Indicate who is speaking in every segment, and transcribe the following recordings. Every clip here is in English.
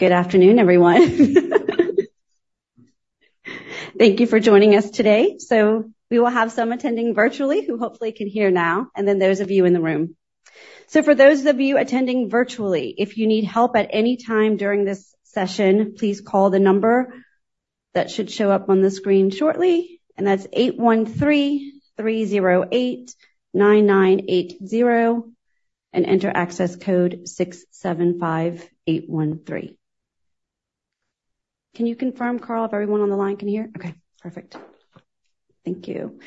Speaker 1: Good afternoon, everyone. Thank you for joining us today. So we will have some attending virtually, who hopefully can hear now, and then those of you in the room. So for those of you attending virtually, if you need help at any time during this session, please call the number that should show up on the screen shortly, and that's 813-308-9980, and enter access code 675813. Can you confirm, Carl, if everyone on the line can hear? Okay, perfect. Thank you.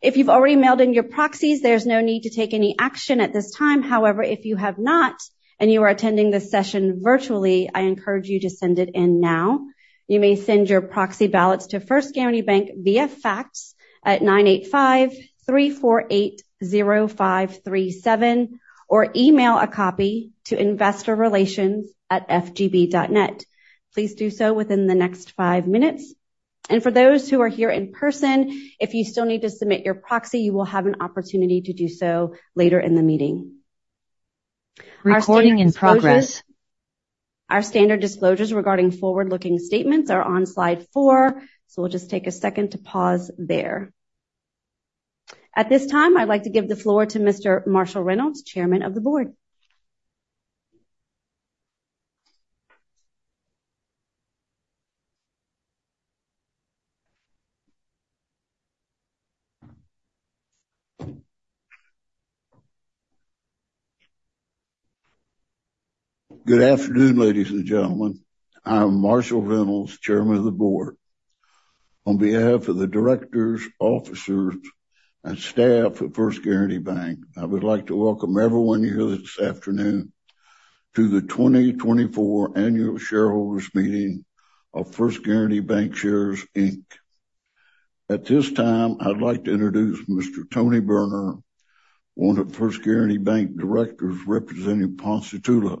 Speaker 1: If you've already mailed in your proxies, there's no need to take any action at this time. However, if you have not, and you are attending this session virtually, I encourage you to send it in now. You may send your proxy ballots to First Guaranty Bank via fax at 985-348-0537, or email a copy to investorrelations@fgb.net. Please do so within the next 5 minutes. For those who are here in person, if you still need to submit your proxy, you will have an opportunity to do so later in the meeting.
Speaker 2: Recording in progress.
Speaker 1: Our standard disclosures regarding forward-looking statements are on slide four, so we'll just take a second to pause there. At this time, I'd like to give the floor to Mr. Marshall Reynolds, Chairman of the Board.
Speaker 3: Good afternoon, ladies and gentlemen. I'm Marshall Reynolds, Chairman of the Board. On behalf of the directors, officers, and staff at First Guaranty Bank, I would like to welcome everyone here this afternoon to the 2024 Annual Shareholders Meeting of First Guaranty Bancshares, Inc. At this time, I'd like to introduce Mr. Tony Berner, one of the First Guaranty Bank directors representing Ponchatoula,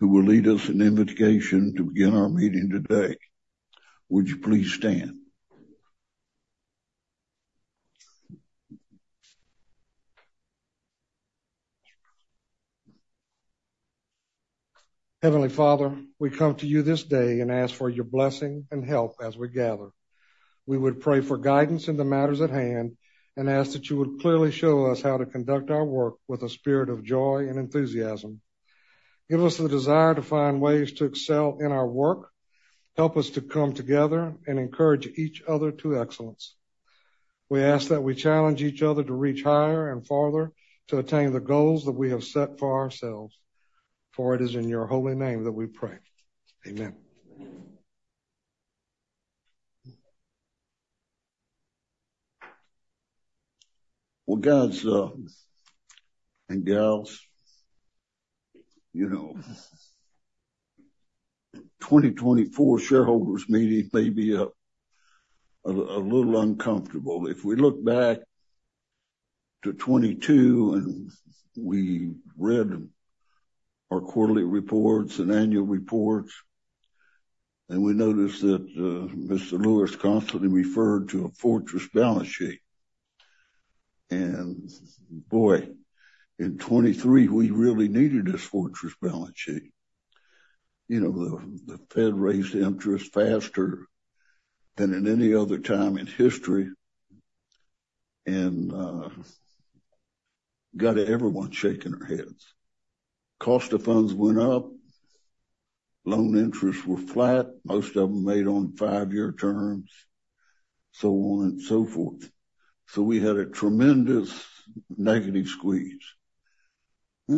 Speaker 3: who will lead us in invocation to begin our meeting today. Would you please stand?
Speaker 4: Heavenly Father, we come to you this day and ask for your blessing and help as we gather. We would pray for guidance in the matters at hand and ask that you would clearly show us how to conduct our work with a spirit of joy and enthusiasm. Give us the desire to find ways to excel in our work. Help us to come together and encourage each other to excellence. We ask that we challenge each other to reach higher and farther to attain the goals that we have set for ourselves, for it is in Your Holy Name that we pray. Amen.
Speaker 3: Well, guys, and girls, you know, 2024 shareholders meeting may be a little uncomfortable. If we look back to 2022, and we read our quarterly reports and annual reports, and we noticed that, Mr. Lewis constantly referred to a Fortress balance sheet. And boy, in 2023, we really needed this Fortress balance sheet. You know, the Fed raised interest faster than in any other time in history and got everyone shaking their heads. Cost of funds went up, loan interests were flat, most of them made on five-year terms, so on and so forth. So we had a tremendous negative squeeze. I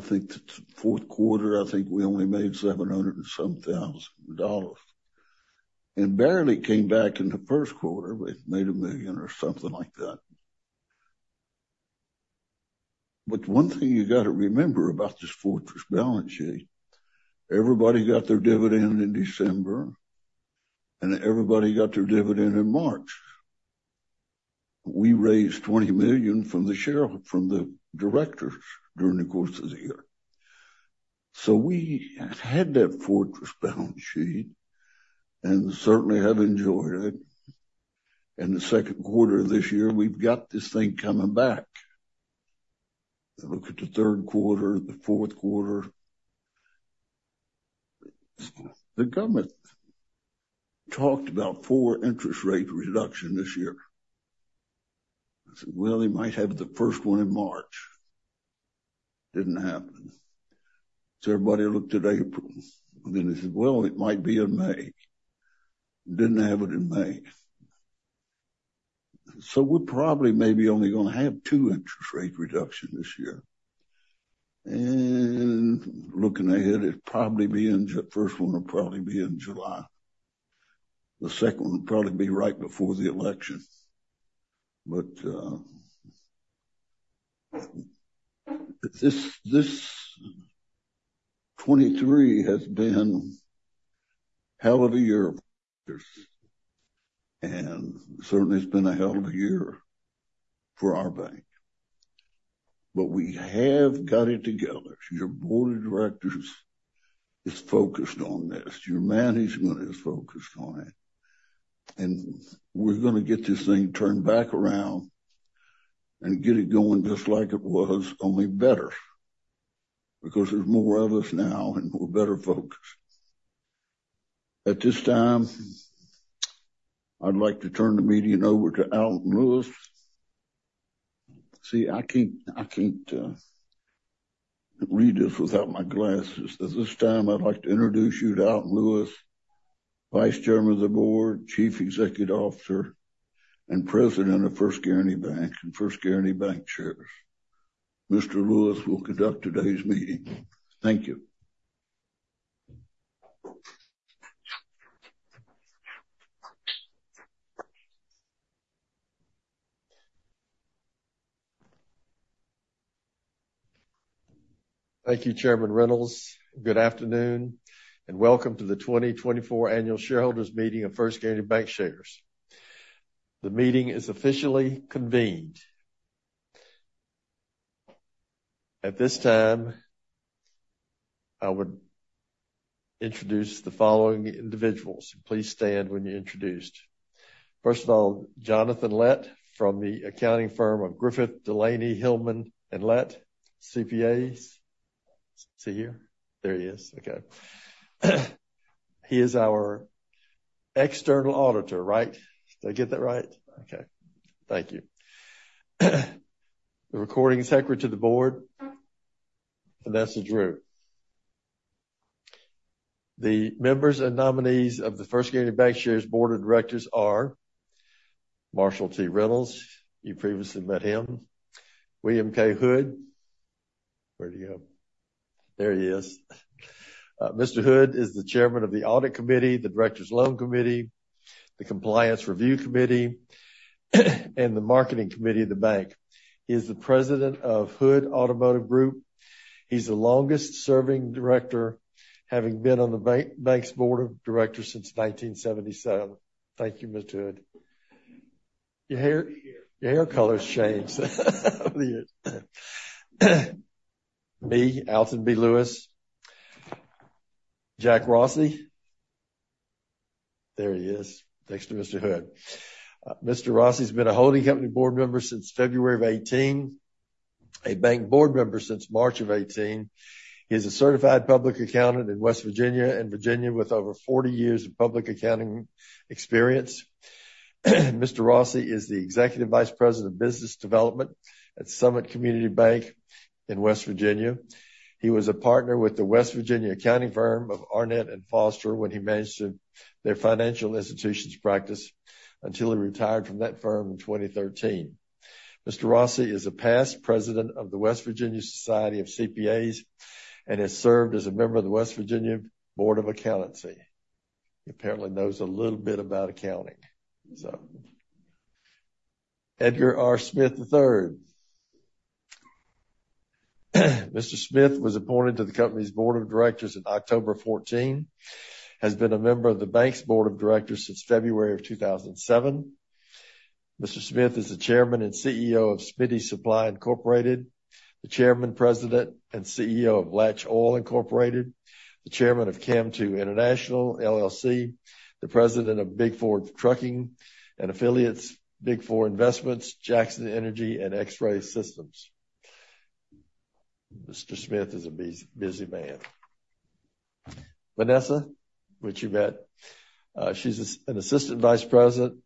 Speaker 3: think the fourth quarter, I think we only made $700,000, and barely came back in the first quarter, but made $1 million or something like that. But one thing you got to remember about this Fortress balance sheet, everybody got their dividend in December, and everybody got their dividend in March. We raised $20 million from the directors during the course of the year. So we had that Fortress balance sheet and certainly have enjoyed it. In the second quarter of this year, we've got this thing coming back. Look at the third quarter, the fourth quarter. The government talked about 4 interest rate reduction this year. I said, "Well, they might have the first one in March." Didn't happen. So everybody looked at April, and then they said, "Well, it might be in May." Didn't have it in May. So we're probably maybe only going to have 2 interest rate reductions this year. And looking ahead, it'd probably be in first one will probably be in July. The second one will probably be right before the election. But this 2023 has been a hell of a year. And certainly, it's been a hell of a year for our bank. But we have got it together. Your board of directors is focused on this. Your management is focused on it, and we're going to get this thing turned back around... and get it going just like it was, only better, because there's more of us now, and we're better folks. At this time, I'd like to turn the meeting over to Alton Lewis. See, I can't read this without my glasses. At this time, I'd like to introduce you to Alton Lewis, Vice Chairman of the Board, Chief Executive Officer, and President of First Guaranty Bank and First Guaranty Bancshares. Mr. Lewis will conduct today's meeting. Thank you.
Speaker 5: Thank you, Chairman Reynolds. Good afternoon, and welcome to the 2024 Annual Shareholders Meeting of First Guaranty Bancshares. The meeting is officially convened. At this time, I would introduce the following individuals. Please stand when you're introduced. First of all, Jonathan Lett from the accounting firm of Griffith, DeLaney, Hillman, and Lett, CPAs. Is he here? There he is. Okay. He is our external auditor, right? Did I get that right? Okay. Thank you. The recording secretary to the board, Vanessa Drew. The members and nominees of the First Guaranty Bancshares Board of Directors are Marshall T. Reynolds. You previously met him. William K. Hood. Where'd he go? There he is. Mr. Hood is the chairman of the Audit Committee, the Directors Loan Committee, the Compliance Review Committee, and the Marketing Committee of the bank. He is the president of Hood Automotive Group. He's the longest-serving director, having been on the bank's board of directors since 1977. Thank you, Mr. Hood. Your hair, your hair color's changed over the years. Me, Alton B. Lewis. Jack Rossi. There he is, next to Mr. Hood. Mr. Rossi's been a holding company board member since February of 2018, a bank board member since March 2018. He's a certified public accountant in West Virginia and Virginia, with over 40 years of public accounting experience. Mr. Rossi is the Executive Vice President of Business Development at Summit Community Bank in West Virginia. He was a partner with the West Virginia accounting firm of Arnett & Foster when he managed their financial institutions practice until he retired from that firm in 2013. Mr. Rossi is a past president of the West Virginia Society of CPAs and has served as a member of the West Virginia Board of Accountancy. He apparently knows a little bit about accounting, so... Edgar R. Smith III. Mr. Smith was appointed to the company's board of directors in October 2014, has been a member of the bank's board of directors since February 2007. Mr. Smith is the chairman and CEO of Smitty's Supply Incorporated, the chairman, president, and CEO of Latch Oil Incorporated, the chairman of Chem II International LLC, the president of Big 4 Trucking and affiliates Big 4 Investments, Jackson Energy, and X-Ray Systems. Mr. Smith is a busy man. Vanessa, which you met. She's an assistant vice president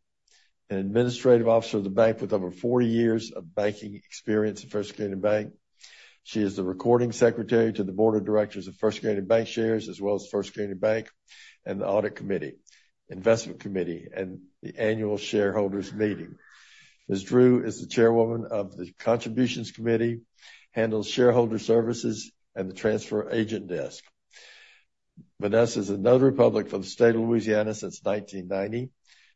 Speaker 5: and administrative officer of the bank, with over 40 years of banking experience at First Guaranty Bank. She is the recording secretary to the board of directors of First Guaranty Bancshares, as well as First Guaranty Bank and the audit committee, investment committee, and the annual shareholders meeting. Ms. Drew is the chairwoman of the Contributions Committee, handles shareholder services and the transfer agent desk. Vanessa is a notary public for the state of Louisiana since 1990.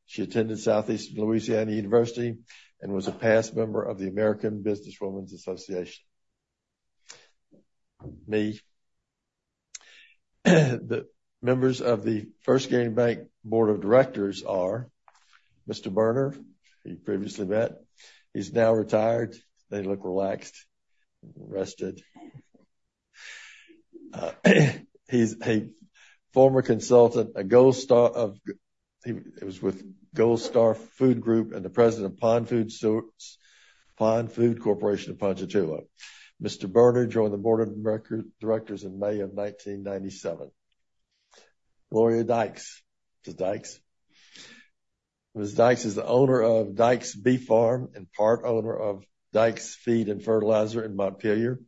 Speaker 5: She attended Southeastern Louisiana University and was a past member of the American Businesswomen's Association. The members of the First Guaranty Bank board of directors are Mr. Berner, who you previously met. He's now retired. They look relaxed and rested. He's a former consultant, a Gold Star. He was with Gold Star Food Group and the President of Pon Food Corporation of Ponchatoula. Mr. Berner joined the board of directors in May of 1997. Gloria Dykes. Mrs. Dykes? Mrs. Dykes is the owner of Dykes Beef Farm and part owner of Dykes Feed and Fertilizer in Montpelier,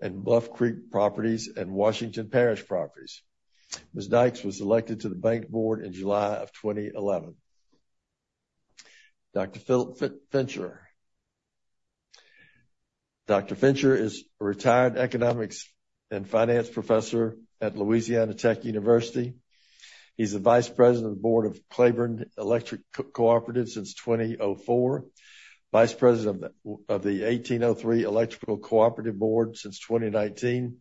Speaker 5: and Bluff Creek Properties and Washington Parish Properties. Ms. Dykes was elected to the bank board in July of 2011. Dr. Fincher. Dr. Fincher is a retired economics and finance professor at Louisiana Tech University. He's the vice president of the board of Claiborne Electric Cooperative since 2004, vice president of the 1803 Electric Cooperative Board since 2019,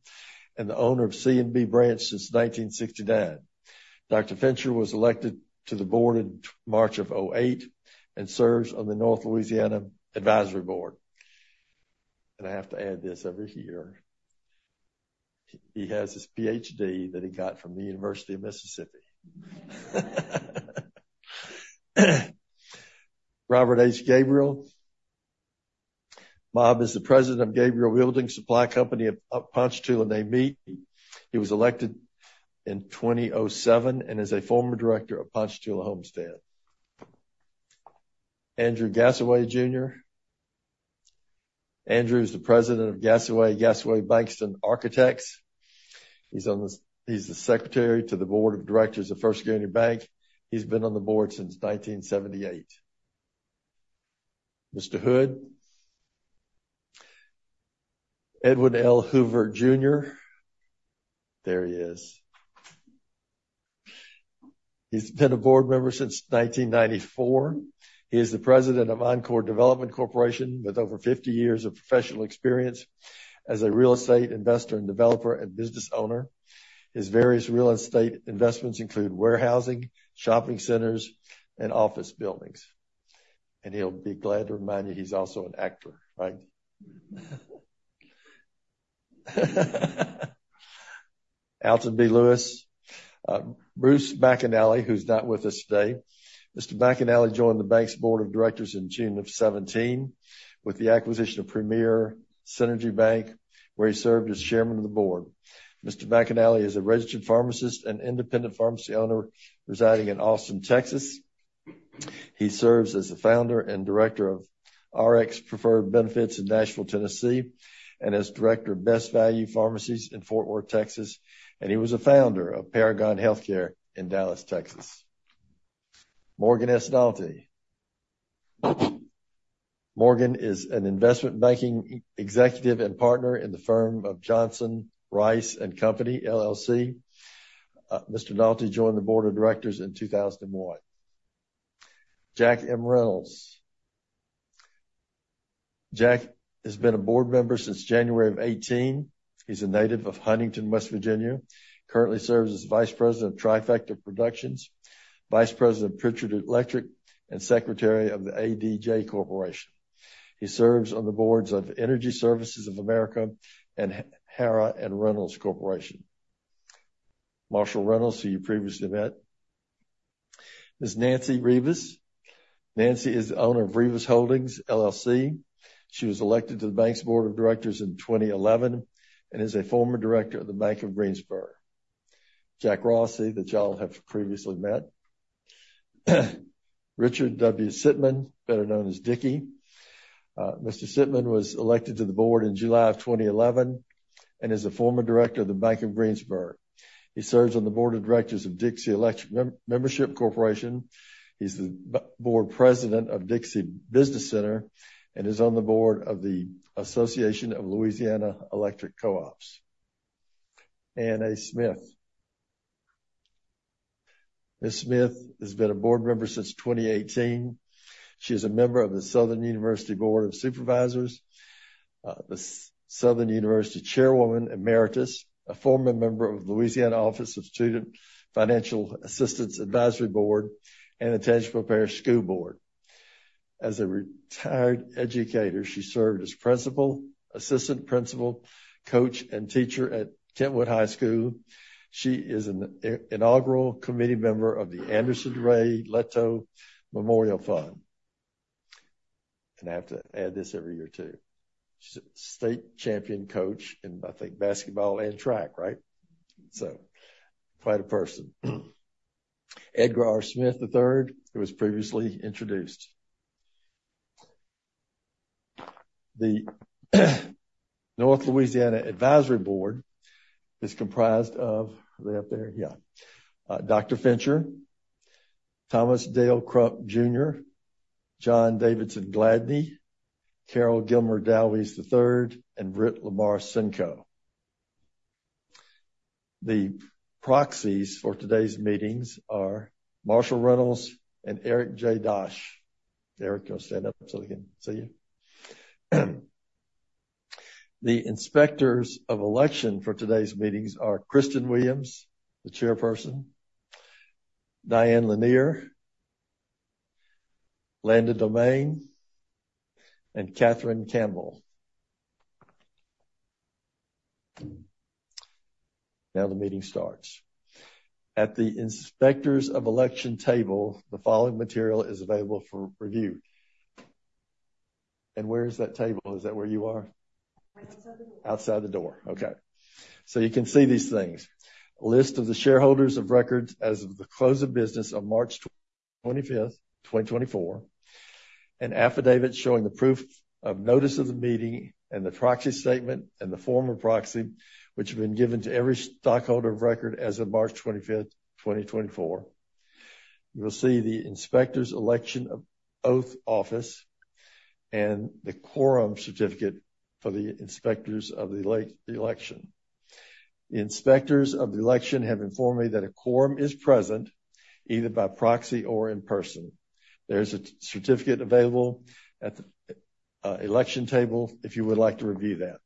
Speaker 5: and the owner of C&B Ranch since 1969. Dr. Fincher was elected to the board in March of 2008 and serves on the North Louisiana Advisory Board. And I have to add this over here.... He has his PhD that he got from the University of Mississippi. Robert Gabriel. Bob is the president of Gabriel Building Supply Company of Ponchatoula, and they meet. He was elected in 2007 and is a former director of Ponchatoula Homestead. Andrew Gasaway Jr. Andrew is the president of Gasaway, Gasaway Bankston Architects. He's the secretary to the board of directors of First Security Bank. He's been on the board since 1978. Mr. Hood. Edward L. Hoover Jr. There he is. He's been a board member since 1994. He is the president of Encore Development Corporation, with over 50 years of professional experience as a real estate investor and developer and business owner. His various real estate investments include warehousing, shopping centers, and office buildings. And he'll be glad to remind you, he's also an actor, right? Alton B. Lewis. Bruce McAnally, who's not with us today. Mr. McAnally joined the bank's board of directors in June 2017 with the acquisition of Premier Synergy Bank, where he served as chairman of the board. Mr. McAnally is a registered pharmacist and independent pharmacy owner residing in Austin, Texas. He serves as the founder and director of RxPreferred Benefits in Nashville, Tennessee, and as director of Best Value Pharmacies in Fort Worth, Texas, and he was a founder of Paragon Healthcare in Dallas, Texas. Morgan S. Nalty. Morgan is an investment banking executive and partner in the firm of Johnson Rice & Company L.L.C. Mr. Nalty joined the board of directors in 2001. Jack M. Reynolds. Jack has been a board member since January 2018. He's a native of Huntington, West Virginia. Currently serves as vice president of Trifecta Productions, vice president of Pritchard Electric, and secretary of the ADJ Corporation. He serves on the boards of Energy Services of America and Harrah and Reynolds Corporation. Marshall Reynolds, who you previously met. Ms. Nancy Reavis. Nancy is the owner of Reavis Holdings, LLC. She was elected to the bank's board of directors in 2011 and is a former director of the Bank of Greensboro. Jack Rossi, that y'all have previously met. Richard W. Sitman, better known as Dickie. Mr. Sitman was elected to the board in July of 2011 and is a former director of the Bank of Greensboro. He serves on the board of directors of Dixie Electric Membership Corporation. He's the board president of Dixie Business Center and is on the board of the Association of Louisiana Electric Co-ops. Anne A. Smith. Ms. Smith has been a board member since 2018. She is a member of the Southern University Board of Supervisors, the Southern University Chairwoman Emeritus, a former member of the Louisiana Office of Student Financial Assistance Advisory Board, and the Tangipahoa Parish School Board. As a retired educator, she served as principal, assistant principal, coach, and teacher at Kentwood High School. She is a inaugural committee member of the Anderson Ray Lato Memorial Fund. And I have to add this every year, too. State champion coach in, I think, basketball and track, right? So quite a person. Edgar R. Smith III, who was previously introduced. The North Louisiana Advisory Board is comprised of... Are they up there? Yeah. Dr. Fincher, Thomas Dale Crump Jr., John Davidson Gladney, Carrell Gilmer Dowies III, and Britt Lamar Synco. The proxies for today's meetings are Marshall Reynolds and Eric J. Dosch. Eric, you want to stand up so they can see you? The inspectors of election for today's meetings are Kristen Williams, the chairperson, Diane Lanier, Landon Dohmann, and Catherine Campbell. Now, the meeting starts. At the inspectors of election table, the following material is available for review. And where is that table? Is that where you are?
Speaker 3: Right outside the door.
Speaker 5: Outside the door, okay. So you can see these things. List of the shareholders of record as of the close of business on March 25, 2024, an affidavit showing the proof of notice of the meeting and the proxy statement and the form of proxy, which have been given to every stockholder of record as of March 25, 2024. You will see the inspectors' election oath of office and the quorum certificate for the inspectors of the election. The inspectors of the election have informed me that a quorum is present, either by proxy or in person. There's a certificate available at the election table if you would like to review that.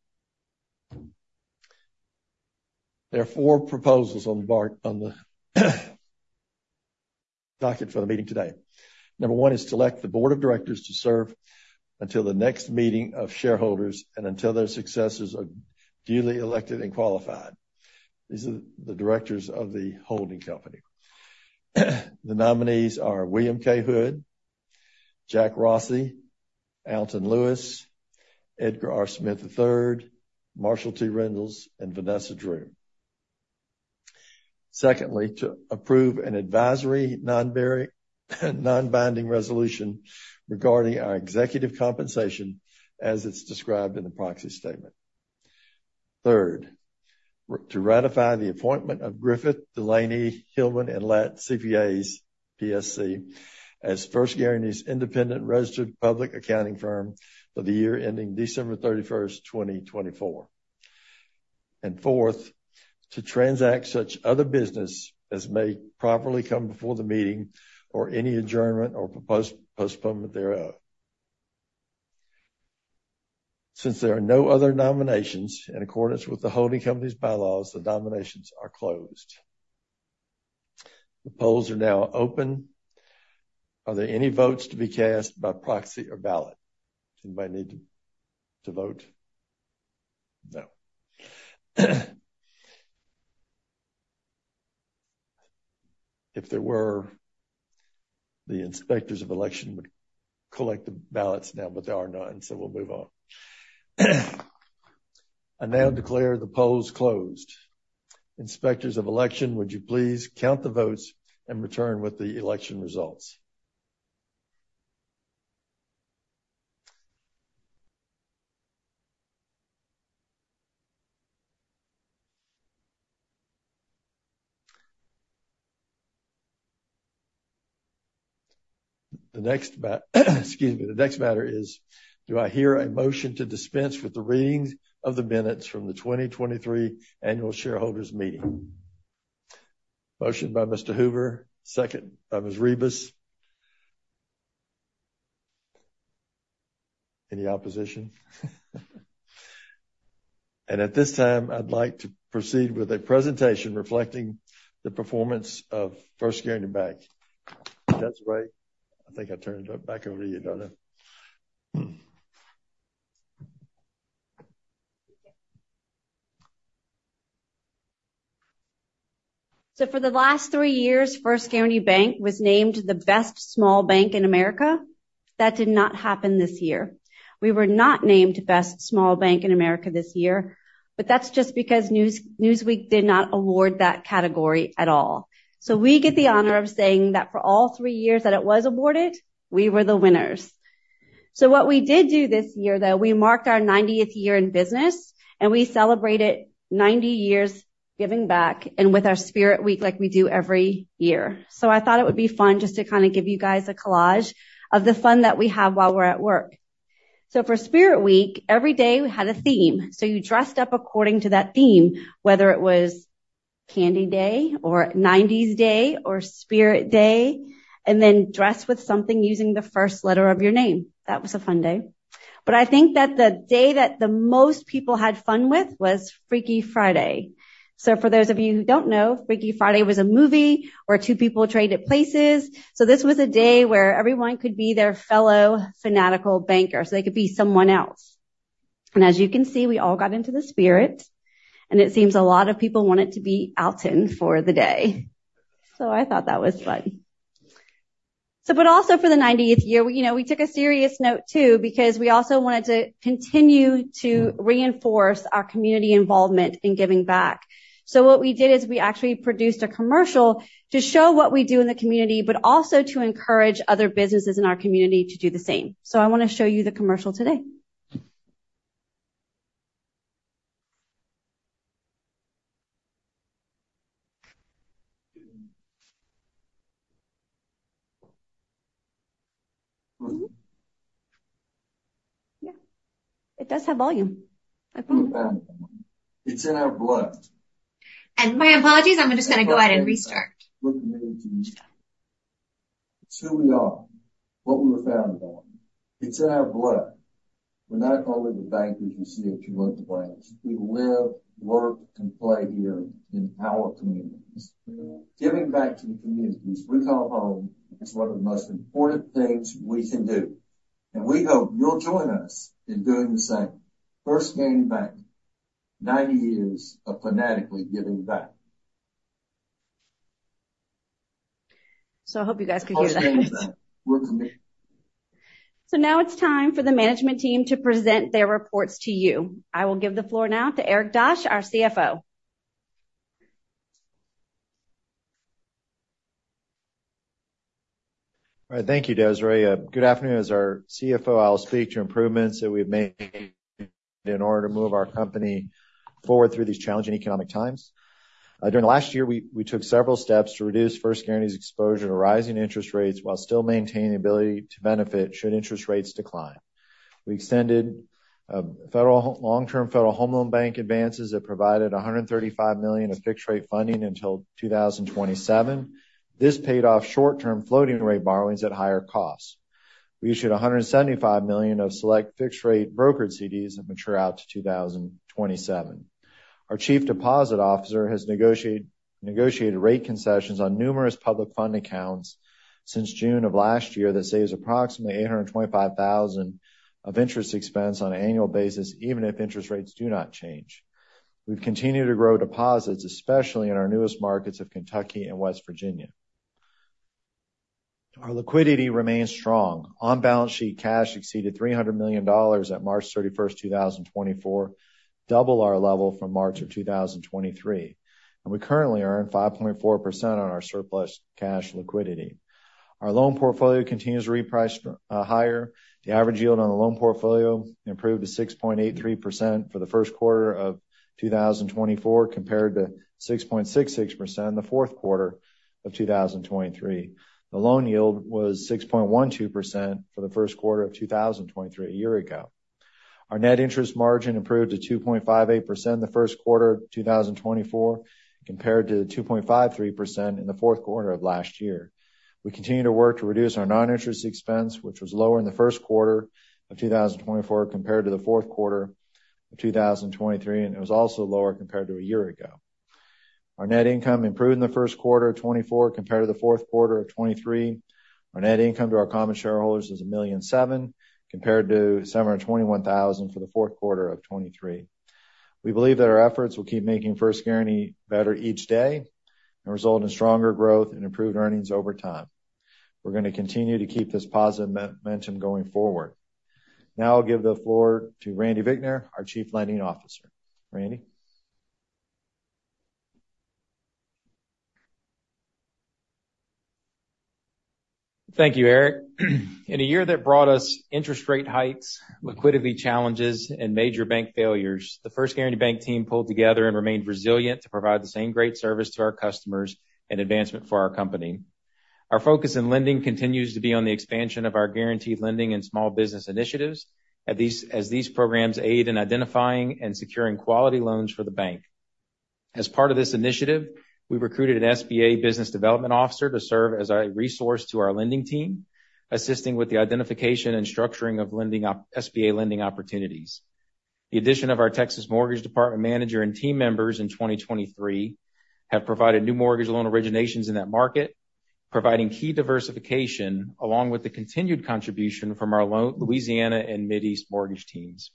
Speaker 5: There are 4 proposals on the docket for the meeting today. Number 1 is to elect the board of directors to serve until the next meeting of shareholders and until their successors are duly elected and qualified. These are the directors of the holding company. The nominees are William K. Hood, Jack Rossi, Alton Lewis, Edgar R. Smith III, Marshall T. Reynolds, and Vanessa Drew. Secondly, to approve an advisory non-binding resolution regarding our executive compensation as it's described in the proxy statement. Third, to ratify the appointment of Griffith, DeLaney, Hillman, and Lett CPAs, PSC, as First Guaranty's independent registered public accounting firm for the year ending December 31, 2024. And fourth, to transact such other business as may properly come before the meeting or any adjournment or postponement thereof. Since there are no other nominations, in accordance with the holding company's bylaws, the nominations are closed. The polls are now open. Are there any votes to be cast by proxy or ballot? Anybody need to vote? No. If there were, the inspectors of election would collect the ballots now, but there are none, so we'll move on. I now declare the polls closed. Inspectors of election, would you please count the votes and return with the election results? The next matter is, do I hear a motion to dispense with the readings of the minutes from the 2023 annual shareholders meeting? Motion by Mr. Hoover, second by Ms. Reavis. Any opposition? And at this time, I'd like to proceed with a presentation reflecting the performance of First Guaranty Bank. That's right. I think I turned it back over to you, Donna.
Speaker 1: So for the last 3 years, First Guaranty Bank was named the best small bank in America. That did not happen this year. We were not named Best Small Bank in America this year, but that's just because Newsweek did not award that category at all. So we get the honor of saying that for all 3 years that it was awarded, we were the winners. So what we did do this year, though, we marked our 90th year in business, and we celebrated 90 years giving back and with our Spirit Week like we do every year. So I thought it would be fun just to kind of give you guys a collage of the fun that we have while we're at work. So for Spirit Week, every day we had a theme, so you dressed up according to that theme, whether it was Candy Day or '90s Day or Spirit Day, and then dressed with something using the first letter of your name. That was a fun day. But I think that the day that the most people had fun with was Freaky Friday. So for those of you who don't know, Freaky Friday was a movie where two people traded places. So this was a day where everyone could be their fellow fanatical banker, so they could be someone else. And as you can see, we all got into the spirit, and it seems a lot of people wanted to be Alton for the day. So I thought that was funny. So, but also for the ninetieth year, we, you know, we took a serious note, too, because we also wanted to continue to reinforce our community involvement in giving back. So what we did is we actually produced a commercial to show what we do in the community, but also to encourage other businesses in our community to do the same. So I want to show you the commercial today. Mm-hmm. Yeah, it does have volume.
Speaker 5: It's in our blood.
Speaker 1: My apologies, I'm just going to go ahead and restart.
Speaker 5: We're committed to each other. It's who we are, what we were founded on. It's in our blood. We're not only the bankers you see at your local branch, we live, work, and play here in our communities. Giving back to the communities we call home is one of the most important things we can do, and we hope you'll join us in doing the same. First Guaranty Bank, 90 years of fanatically giving back.
Speaker 1: I hope you guys could hear that.
Speaker 5: We're committed.
Speaker 1: So now it's time for the management team to present their reports to you. I will give the floor now to Eric Dosch, our CFO.
Speaker 6: All right. Thank you, Desiree. Good afternoon. As our CFO, I'll speak to improvements that we've made in order to move our company forward through these challenging economic times. During the last year, we took several steps to reduce First Guaranty's exposure to rising interest rates while still maintaining the ability to benefit, should interest rates decline. We extended federal, long-term Federal Home Loan Bank advances that provided $135 million of fixed rate funding until 2027. This paid off short-term floating rate borrowings at higher costs. We issued $175 million of select fixed-rate brokered CDs that mature out to 2027. Our Chief Deposit Officer has negotiated-... negotiated rate concessions on numerous public fund accounts since June of last year, that saves approximately $825,000 of interest expense on an annual basis, even if interest rates do not change. We've continued to grow deposits, especially in our newest markets of Kentucky and West Virginia. Our liquidity remains strong. On-balance sheet, cash exceeded $300 million at March 31, 2024, double our level from March 2023, and we currently earn 5.4% on our surplus cash liquidity. Our loan portfolio continues to reprice higher. The average yield on the loan portfolio improved to 6.83% for the first quarter of 2024, compared to 6.66% in the fourth quarter of 2023. The loan yield was 6.12% for the first quarter of 2023, a year ago. Our net interest margin improved to 2.58% in the first quarter of 2024, compared to the 2.53% in the fourth quarter of last year. We continue to work to reduce our non-interest expense, which was lower in the first quarter of 2024 compared to the fourth quarter of 2023, and it was also lower compared to a year ago. Our net income improved in the first quarter of 2024 compared to the fourth quarter of 2023. Our net income to our common shareholders was $1,007,000, compared to $721,000 for the fourth quarter of 2023. We believe that our efforts will keep making First Guaranty better each day and result in stronger growth and improved earnings over time. We're gonna continue to keep this positive momentum going forward. Now I'll give the floor to Randy Vicknair, our Chief Lending Officer. Randy?
Speaker 7: Thank you, Eric. In a year that brought us interest rate hikes, liquidity challenges, and major bank failures, the First Guaranty Bank team pulled together and remained resilient to provide the same great service to our customers and advancement for our company. Our focus in lending continues to be on the expansion of our guaranteed lending and small business initiatives, as these programs aid in identifying and securing quality loans for the bank. As part of this initiative, we recruited an SBA business development officer to serve as a resource to our lending team, assisting with the identification and structuring of SBA lending opportunities. The addition of our Texas Mortgage Department manager and team members in 2023 have provided new mortgage loan originations in that market, providing key diversification, along with the continued contribution from our Louisiana and MidEast mortgage teams.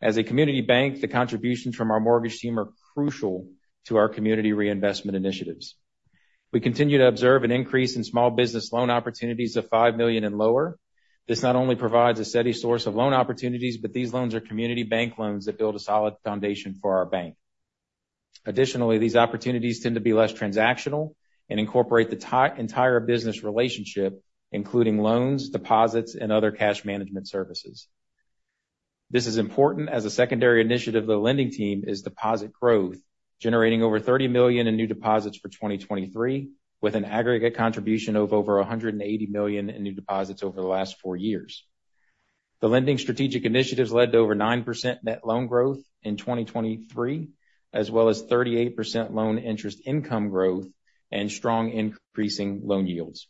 Speaker 7: As a community bank, the contributions from our mortgage team are crucial to our community reinvestment initiatives. We continue to observe an increase in small business loan opportunities of $5 million and lower. This not only provides a steady source of loan opportunities, but these loans are community bank loans that build a solid foundation for our bank. Additionally, these opportunities tend to be less transactional and incorporate the entire business relationship, including loans, deposits, and other cash management services. This is important, as a secondary initiative of the lending team is deposit growth, generating over $30 million in new deposits for 2023, with an aggregate contribution of over $180 million in new deposits over the last four years. The lending strategic initiatives led to over 9% net loan growth in 2023, as well as 38% loan interest income growth and strong increasing loan yields.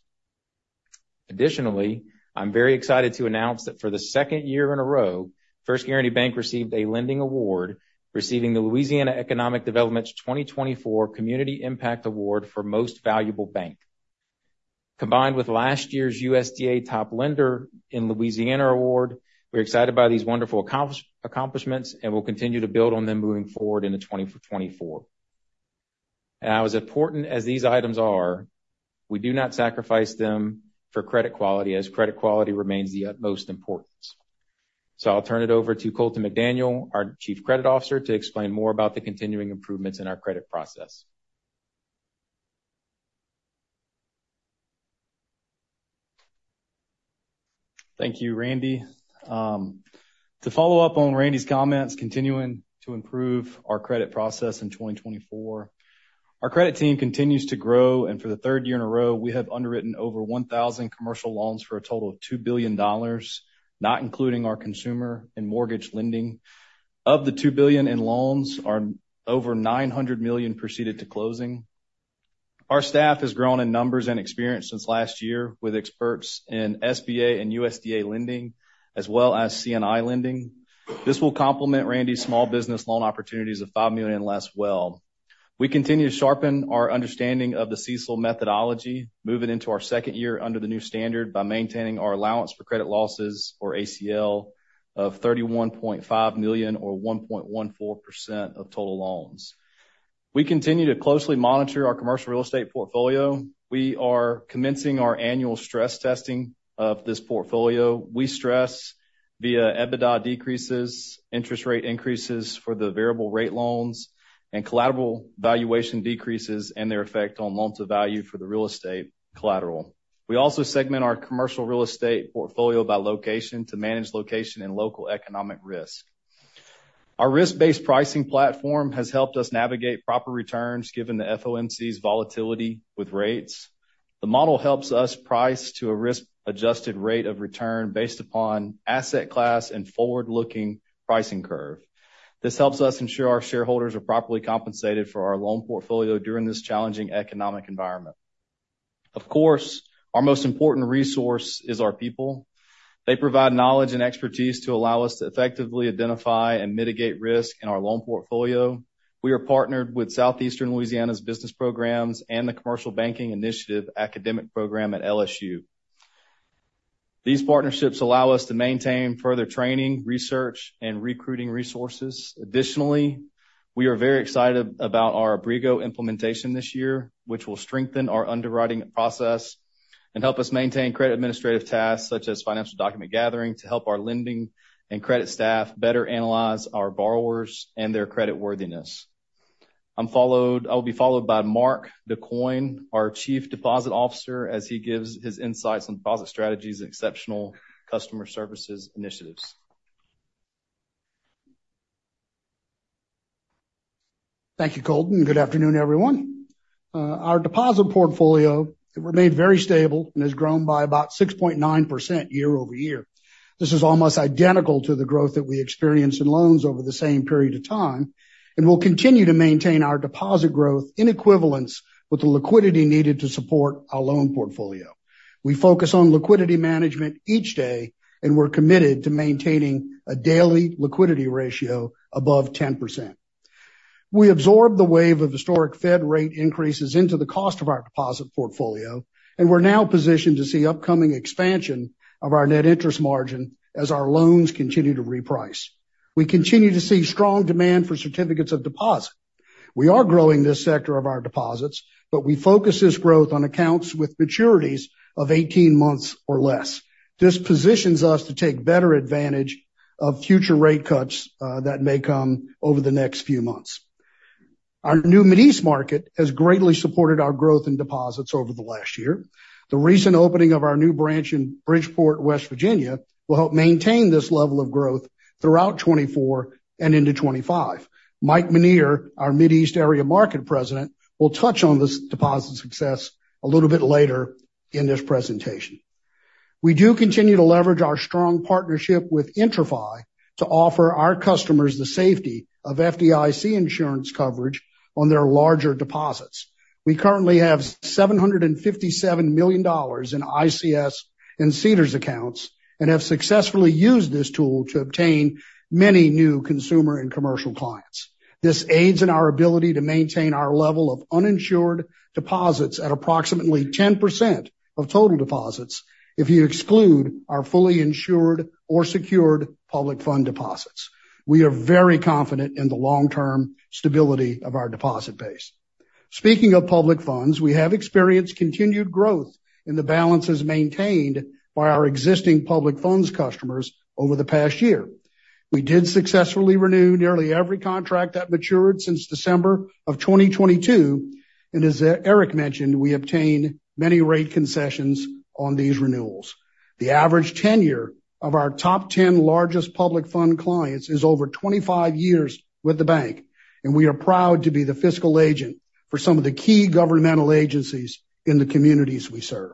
Speaker 7: Additionally, I'm very excited to announce that for the second year in a row, First Guaranty Bank received a lending award, receiving the Louisiana Economic Development's 2024 Community Impact Award for Most Valuable Bank. Combined with last year's USDA Top Lender in Louisiana award, we're excited by these wonderful accomplishments, and we'll continue to build on them moving forward into 2024. As important as these items are, we do not sacrifice them for credit quality, as credit quality remains the utmost importance. I'll turn it over to Colton McDaniel, our Chief Credit Officer, to explain more about the continuing improvements in our credit process.
Speaker 8: Thank you, Randy. To follow up on Randy's comments, continuing to improve our credit process in 2024, our credit team continues to grow, and for the third year in a row, we have underwritten over 1,000 commercial loans for a total of $2 billion, not including our consumer and mortgage lending. Of the $2 billion in loans, over $900 million proceeded to closing. Our staff has grown in numbers and experience since last year, with experts in SBA and USDA lending, as well as C&I lending. This will complement Randy's small business loan opportunities of $5 million and less well. We continue to sharpen our understanding of the CECL methodology, moving into our second year under the new standard by maintaining our allowance for credit losses, or ACL, of $31.5 million, or 1.14% of total loans. We continue to closely monitor our commercial real estate portfolio. We are commencing our annual stress testing of this portfolio. We stress via EBITDA decreases, interest rate increases for the variable rate loans, and collateral valuation decreases and their effect on loans of value for the real estate collateral. We also segment our commercial real estate portfolio by location, to manage location and local economic risk. Our risk-based pricing platform has helped us navigate proper returns, given the FOMC's volatility with rates. The model helps us price to a risk-adjusted rate of return based upon asset class and forward-looking pricing curve. This helps us ensure our shareholders are properly compensated for our loan portfolio during this challenging economic environment.... Of course, our most important resource is our people. They provide knowledge and expertise to allow us to effectively identify and mitigate risk in our loan portfolio. We are partnered with Southeastern Louisiana's business programs and the Commercial Banking Initiative academic program at LSU. These partnerships allow us to maintain further training, research, and recruiting resources. Additionally, we are very excited about our Abrigo implementation this year, which will strengthen our underwriting process and help us maintain credit administrative tasks, such as financial document gathering, to help our lending and credit staff better analyze our borrowers and their creditworthiness. I'll be followed by Mark Ducoing, our Chief Deposit Officer, as he gives his insights on deposit strategies and exceptional customer services initiatives. Thank you, Colton. Good afternoon, everyone. Our deposit portfolio remained very stable and has grown by about 6.9% year-over-year. This is almost identical to the growth that we experienced in loans over the same period of time, and we'll continue to maintain our deposit growth in equivalence with the liquidity needed to support our loan portfolio. We focus on liquidity management each day, and we're committed to maintaining a daily liquidity ratio above 10%. We absorbed the wave of historic Fed rate increases into the cost of our deposit portfolio, and we're now positioned to see upcoming expansion of our net interest margin as our loans continue to reprice. We continue to see strong demand for certificates of deposit. We are growing this sector of our deposits, but we focus this growth on accounts with maturities of 18 months or less. This positions us to take better advantage of future rate cuts that may come over the next few months. Our new Mideast market has greatly supported our growth in deposits over the last year. The recent opening of our new branch in Bridgeport, West Virginia, will help maintain this level of growth throughout 2024 and into 2025. Michael Mineer, our Mideast Area President, will touch on this deposit success a little bit later in this presentation. We do continue to leverage our strong partnership with IntraFi to offer our customers the safety of FDIC insurance coverage on their larger deposits. We currently have $757 million in ICS and CDARS accounts and have successfully used this tool to obtain many new consumer and commercial clients. This aids in our ability to maintain our level of uninsured deposits at approximately 10% of total deposits, if you exclude our fully insured or secured public fund deposits. We are very confident in the long-term stability of our deposit base. Speaking of public funds, we have experienced continued growth in the balances maintained by our existing public funds customers over the past year. We did successfully renew nearly every contract that matured since December 2022, and as Eric mentioned, we obtained many rate concessions on these renewals. The average tenure of our top 10 largest public fund clients is over 25 years with the bank, and we are proud to be the fiscal agent for some of the key governmental agencies in the communities we serve.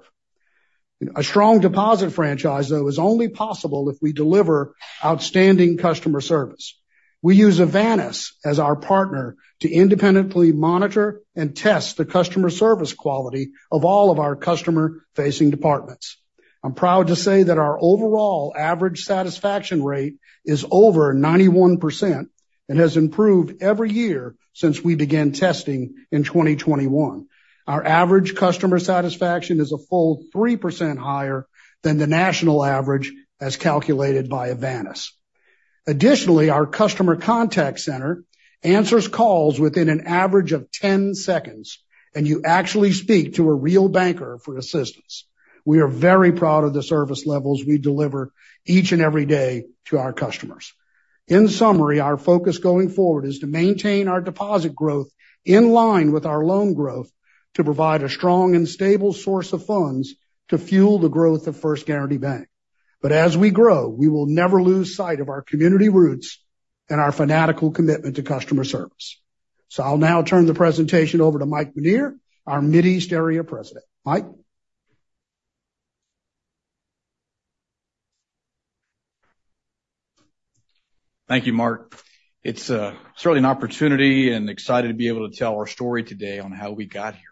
Speaker 8: A strong deposit franchise, though, is only possible if we deliver outstanding customer service. We use Avannis as our partner to independently monitor and test the customer service quality of all of our customer-facing departments. I'm proud to say that our overall average satisfaction rate is over 91% and has improved every year since we began testing in 2021. Our average customer satisfaction is a full 3% higher than the national average as calculated by Avannis. Additionally, our customer contact center answers calls within an average of 10 seconds, and you actually speak to a real banker for assistance. We are very proud of the service levels we deliver each and every day to our customers. In summary, our focus going forward is to maintain our deposit growth in line with our loan growth, to provide a strong and stable source of funds to fuel the growth of First Guaranty Bank. But as we grow, we will never lose sight of our community roots and our fanatical commitment to customer service. So I'll now turn the presentation over to Mike Mineer, our Mideast Area President. Mike?
Speaker 9: Thank you, Mark. It's certainly an opportunity and excited to be able to tell our story today on how we got here.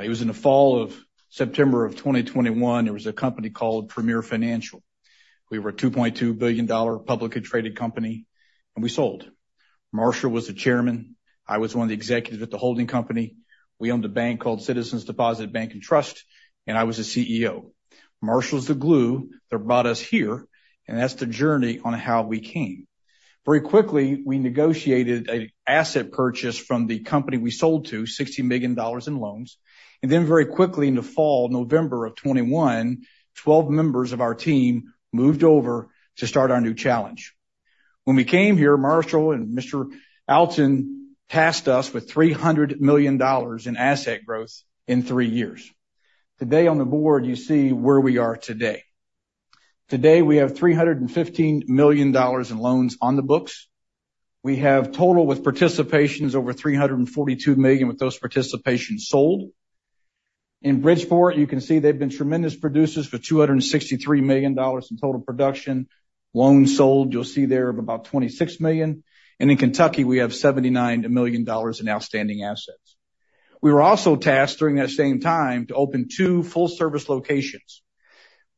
Speaker 9: It was in the fall of September of 2021, there was a company called Premier Financial. We were a $2.2 billion publicly traded company, and we sold. Marshall was the chairman. I was one of the executives at the holding company. We owned a bank called Citizens Deposit Bank and Trust, and I was the CEO. Marshall is the glue that brought us here, and that's the journey on how we came. Very quickly, we negotiated an asset purchase from the company we sold to, $60 million in loans, and then very quickly in the fall, November of 2021, 12 members of our team moved over to start our new challenge. When we came here, Marshall and Mr. Alton tasked us with $300 million in asset growth in 3 years. Today, on the board, you see where we are today. Today, we have $315 million in loans on the books. We have total, with participations, over $342 million, with those participations sold. In Bridgeport, you can see they've been tremendous producers for $263 million in total production. Loans sold, you'll see there, of about $26 million. And in Kentucky, we have $79 million in outstanding assets... We were also tasked during that same time to open 2 full-service locations.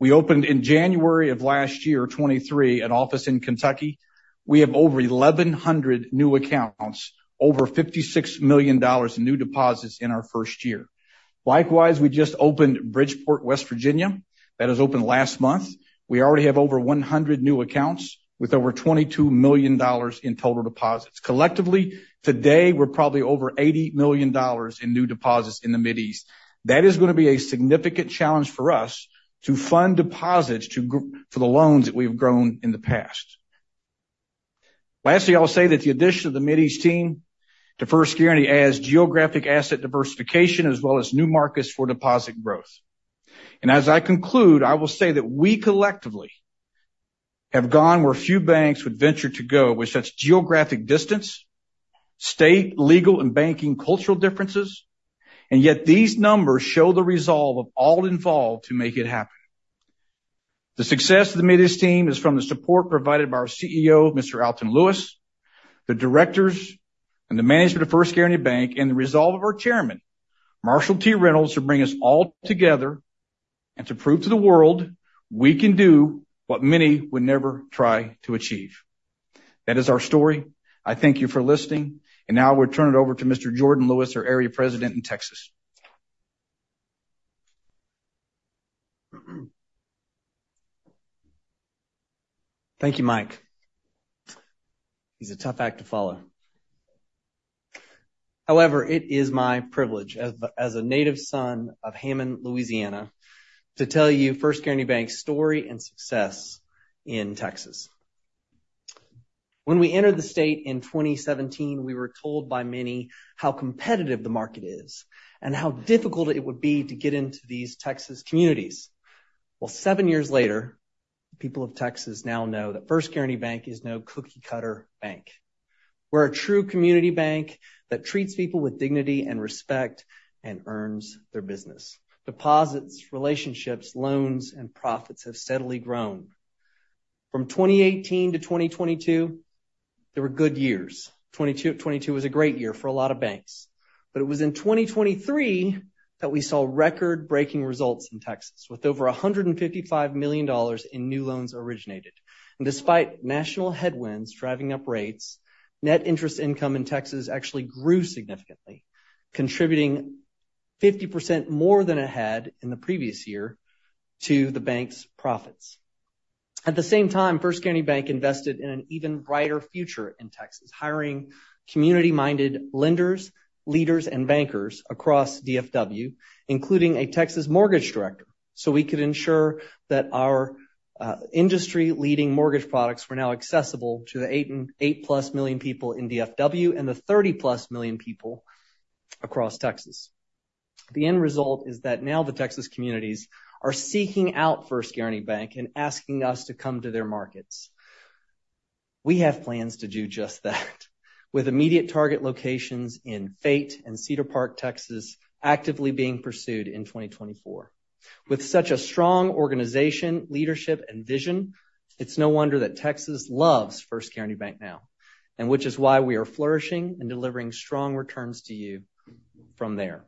Speaker 9: We opened in January of last year, 2023, an office in Kentucky. We have over 1,100 new accounts, over $56 million in new deposits in our first year. Likewise, we just opened Bridgeport, West Virginia. That has opened last month. We already have over 100 new accounts, with over $22 million in total deposits. Collectively, today, we're probably over $80 million in new deposits in the Mideast. That is gonna be a significant challenge for us to fund deposits for the loans that we've grown in the past. Lastly, I'll say that the addition of the Mideast team to First Guaranty adds geographic asset diversification, as well as new markets for deposit growth. As I conclude, I will say that we collectively have gone where few banks would venture to go, with such geographic distance, state, legal, and banking cultural differences, and yet these numbers show the resolve of all involved to make it happen. The success of the Mideast team is from the support provided by our CEO, Mr. Alton Lewis, the directors, and the management of First Guaranty Bank, and the resolve of our chairman, Marshall T. Reynolds, to bring us all together and to prove to the world we can do what many would never try to achieve. That is our story. I thank you for listening, and now I will turn it over to Mr. Jordan Lewis, our Area President in Texas.
Speaker 2: Thank you, Mike. He's a tough act to follow. However, it is my privilege, as, as a native son of Hammond, Louisiana, to tell you First Guaranty Bank's story and success in Texas. When we entered the state in 2017, we were told by many how competitive the market is and how difficult it would be to get into these Texas communities. Well, seven years later, the people of Texas now know that First Guaranty Bank is no cookie-cutter bank. We're a true community bank that treats people with dignity and respect, and earns their business. Deposits, relationships, loans, and profits have steadily grown. From 2018 to 2022, they were good years. 2022 was a great year for a lot of banks. It was in 2023 that we saw record-breaking results in Texas, with over $155 million in new loans originated. Despite national headwinds driving up rates, net interest income in Texas actually grew significantly, contributing 50% more than it had in the previous year to the bank's profits. At the same time, First Guaranty Bank invested in an even brighter future in Texas, hiring community-minded lenders, leaders, and bankers across DFW, including a Texas mortgage director, so we could ensure that our industry-leading mortgage products were now accessible to the 8+ million people in DFW, and the 30+ million people across Texas. The end result is that now the Texas communities are seeking out First Guaranty Bank and asking us to come to their markets. We have plans to do just that, with immediate target locations in Fate and Cedar Park, Texas, actively being pursued in 2024. With such a strong organization, leadership, and vision, it's no wonder that Texas loves First Guaranty Bank now, and which is why we are flourishing and delivering strong returns to you from there.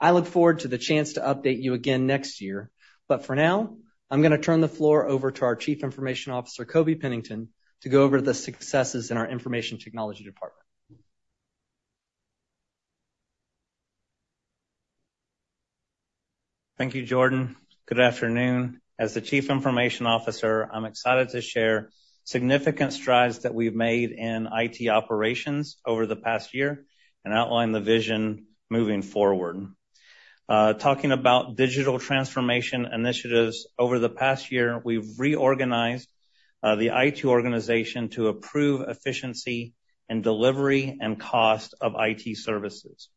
Speaker 2: I look forward to the chance to update you again next year, but for now, I'm gonna turn the floor over to our Chief Information Officer, Coby Pennington, to go over the successes in our information technology department.
Speaker 10: Thank you, Jordan. Good afternoon. As the Chief Information Officer, I'm excited to share significant strides that we've made in IT operations over the past year and outline the vision moving forward. Talking about digital transformation initiatives, over the past year, we've reorganized the IT organization to improve efficiency and delivery and cost of IT services.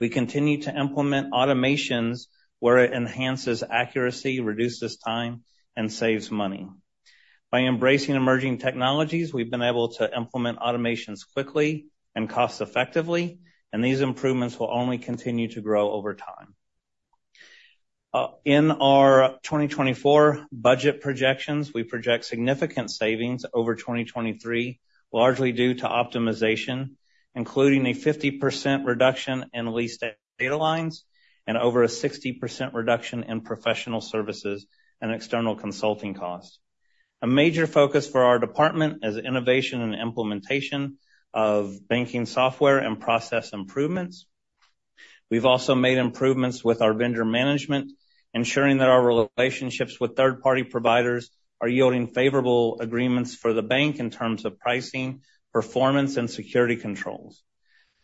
Speaker 10: We continue to implement automations where it enhances accuracy, reduces time, and saves money. By embracing emerging technologies, we've been able to implement automations quickly and cost effectively, and these improvements will only continue to grow over time. In our 2024 budget projections, we project significant savings over 2023, largely due to optimization, including a 50% reduction in leased data lines and over a 60% reduction in professional services and external consulting costs. A major focus for our department is innovation and implementation of banking software and process improvements. We've also made improvements with our vendor management, ensuring that our relationships with third-party providers are yielding favorable agreements for the bank in terms of pricing, performance, and security controls.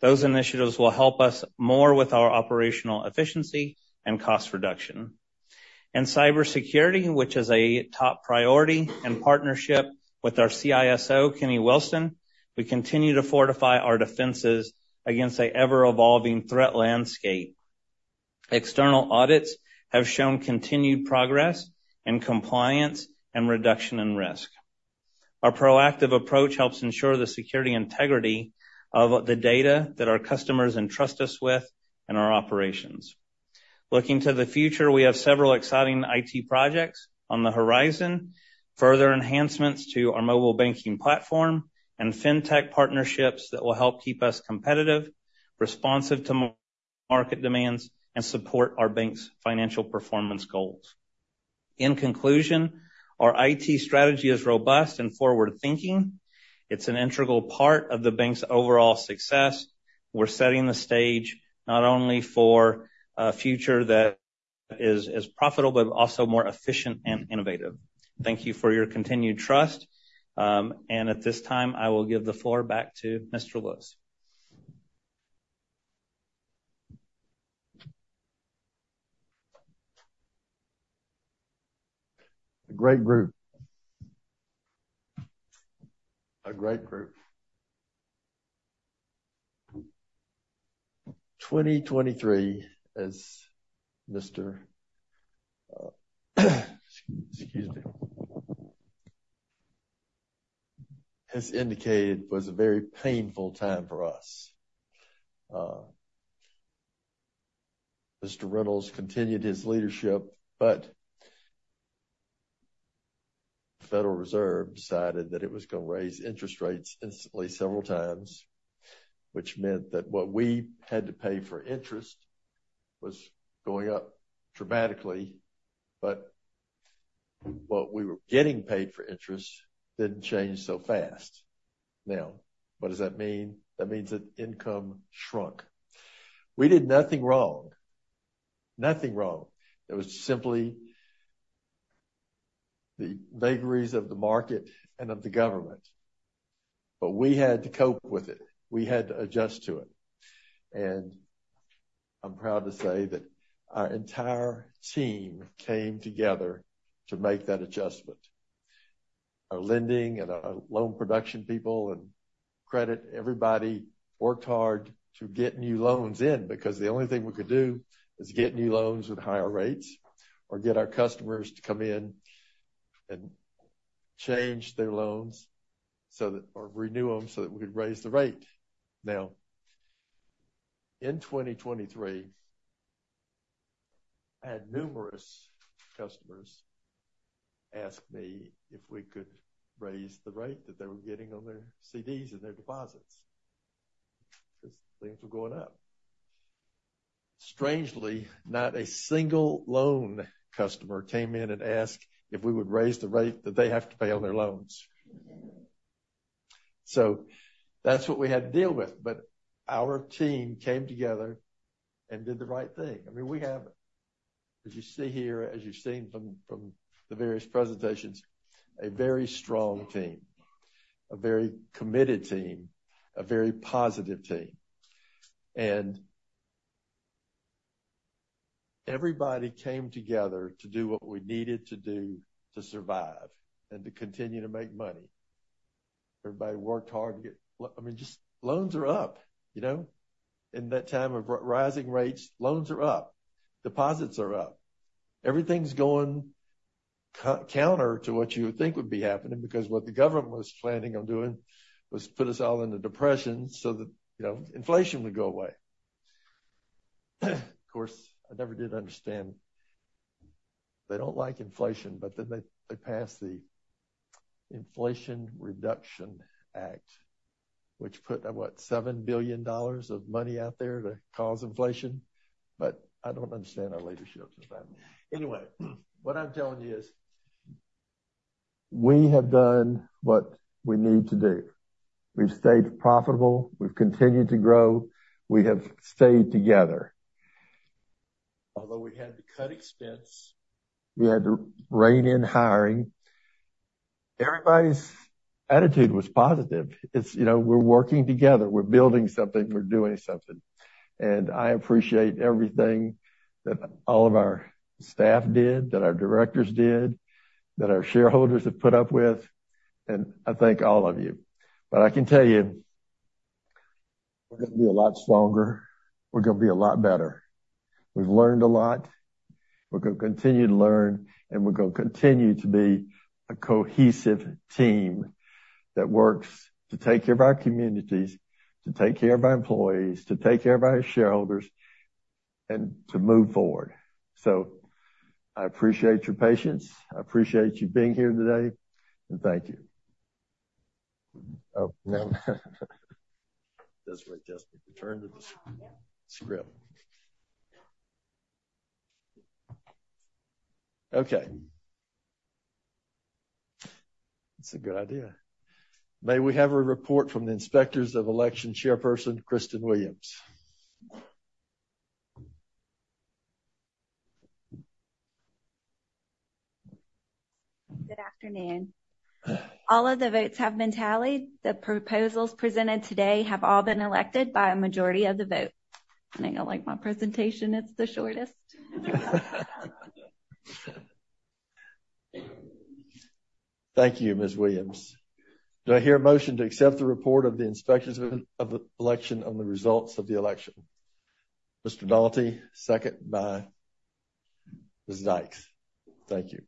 Speaker 10: Those initiatives will help us more with our operational efficiency and cost reduction. In cybersecurity, which is a top priority, in partnership with our CISO, Kenny Wilson, we continue to fortify our defenses against the ever-evolving threat landscape. External audits have shown continued progress in compliance and reduction in risk. Our proactive approach helps ensure the security and integrity of the data that our customers entrust us with and our operations. Looking to the future, we have several exciting IT projects on the horizon, further enhancements to our mobile banking platform, and fintech partnerships that will help keep us competitive, responsive to market demands, and support our bank's financial performance goals. In conclusion, our IT strategy is robust and forward-thinking. It's an integral part of the bank's overall success. We're setting the stage not only for a future that is profitable, but also more efficient and innovative. Thank you for your continued trust, and at this time, I will give the floor back to Mr. Lewis.
Speaker 5: A great group. A great group. 2023, as Mr., excuse me, has indicated, was a very painful time for us. Mr. Reynolds continued his leadership, but the Federal Reserve decided that it was gonna raise interest rates instantly several times, which meant that what we had to pay for interest was going up dramatically, but what we were getting paid for interest didn't change so fast. Now, what does that mean? That means that income shrunk. We did nothing wrong, nothing wrong. It was simply the vagaries of the market and of the government, but we had to cope with it. We had to adjust to it, and I'm proud to say that our entire team came together to make that adjustment. Our lending and our loan production people and credit, everybody worked hard to get new loans in, because the only thing we could do is get new loans with higher rates, or get our customers to come in and change their loans so that... Or renew them, so that we could raise the rate. Now, in 2023, I had numerous customers ask me if we could raise the rate that they were getting on their CDs and their deposits, 'cause things were going up. Strangely, not a single loan customer came in and asked if we would raise the rate that they have to pay on their loans. So that's what we had to deal with, but our team came together and did the right thing. I mean, we have, as you see here, as you've seen from, from the various presentations, a very strong team, a very committed team, a very positive team. And everybody came together to do what we needed to do to survive and to continue to make money. Everybody worked hard to get I mean, just loans are up, you know? In that time of rising rates, loans are up, deposits are up. Everything's going counter to what you would think would be happening, because what the government was planning on doing was put us all in a depression so that, you know, inflation would go away. Of course, I never did understand. They don't like inflation, but then they, they passed the Inflation Reduction Act, which put out what? $7 billion of money out there to cause inflation. But I don't understand our leadership sometimes. Anyway, what I'm telling you is, we have done what we need to do. We've stayed profitable. We've continued to grow. We have stayed together. Although we had to cut expense, we had to rein in hiring, everybody's attitude was positive. It's, you know, we're working together. We're building something, we're doing something. And I appreciate everything that all of our staff did, that our directors did, that our shareholders have put up with, and I thank all of you. But I can tell you, we're gonna be a lot stronger, we're gonna be a lot better. We've learned a lot, we're gonna continue to learn, and we're gonna continue to be a cohesive team that works to take care of our communities, to take care of our employees, to take care of our shareholders, and to move forward. So I appreciate your patience. I appreciate you being here today, and thank you. Oh, now that's where I just need to turn to the script. Okay. That's a good idea. May we have a report from the Inspectors of Election Chairperson, Kristen Williams?
Speaker 11: Good afternoon. All of the votes have been tallied. The proposals presented today have all been elected by a majority of the vote. I know like my presentation, it's the shortest.
Speaker 5: Thank you, Ms. Williams. Do I hear a motion to accept the report of the inspections of the election on the results of the election? Mr. Doughty. Second by Ms. Dykes. Thank you.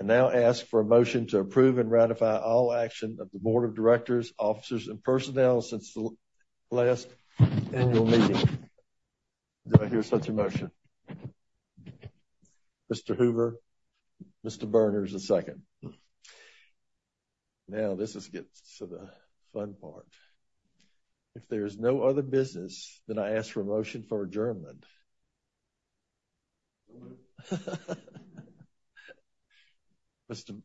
Speaker 5: I now ask for a motion to approve and ratify all action of the board of directors, officers, and personnel since the last annual meeting. Do I hear such a motion? Mr. Hoover. Mr. Berner is the second. Now, this is gets to the fun part. If there is no other business, then I ask for a motion for adjournment. Mr.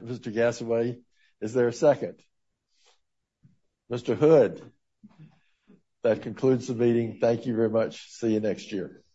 Speaker 5: Gasaway, is there a second? Mr. Hood. That concludes the meeting. Thank you very much. See you next year.